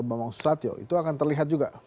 bapak ibu susatyo itu akan terlihat juga